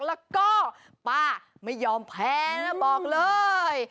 แล้วก็ป้าไม่ยอมแพ้นะบอกเลย